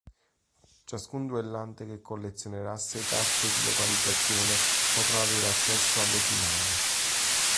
Ciascun duellante che collezionerà sei Carte di Localizzazione potrà avere accesso alle finali.